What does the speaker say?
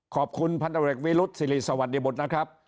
ขอบคุณพันธกฤษวิรุษสิริสวรรค์ในหมดนะครับ